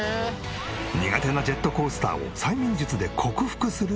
苦手なジェットコースターを催眠術で克服する企画。